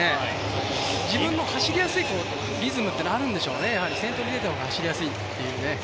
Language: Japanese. やはり自分の走りやすいリズムというのがあるんでしょうね、先頭に出た方が走りやすいというね。